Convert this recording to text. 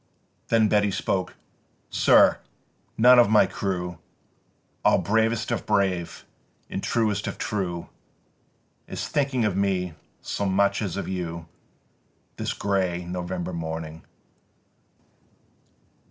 10. Then Beatty spoke: "Sir! none of my crew, All bravest of brave and truest of true, Is thinking of me so much as of you This grey November morning."